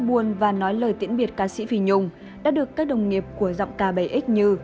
buồn và nói lời tiễn biệt ca sĩ phi nhung đã được các đồng nghiệp của giọng ca bảy x như